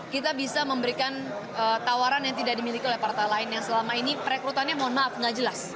kita bisa memberikan tawaran yang tidak dimiliki oleh partai lain yang selama ini perekrutannya mohon maaf nggak jelas